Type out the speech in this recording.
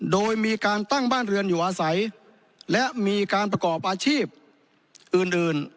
โดยมีการตั้งบ้านเรือนอยู่อาศัยและมีการประกอบอาชีพอื่นอื่น